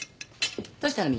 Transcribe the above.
どうしたの？